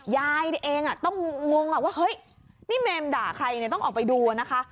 ยายเองต้องงงว่าเฮ้ยนี่เมมด่าใครเนี่ยต้องออกไปดูนะคะ